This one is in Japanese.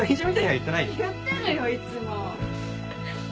言ってるよいつも。